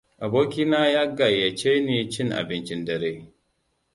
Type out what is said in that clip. Abokina ya gayyaceni cin abincin dare.